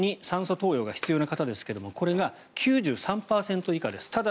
２酸素投与が必要な方ですがこれが９３％以下です。